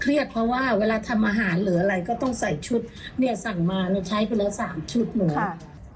เครียดเพราะว่าเวลาทำอาหารหรืออะไรก็ต้องใส่ชุดสั่งมาหนูใช้เป็นแล้ว๓ชุดหนูค่ะ